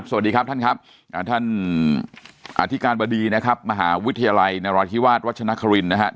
สวัสดีครับท่านครับท่านอธิการบดีนะครับมหาวิทยาลัยนราธิวาสวัชนครินนะครับ